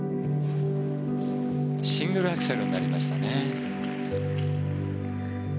シングルアクセルになりましたね。